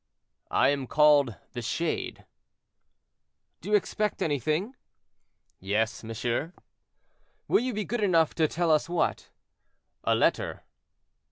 "I am called 'the Shade.'" "Do you expect anything?" "Yes, monsieur." "Will you be good enough to tell us what?" "A letter."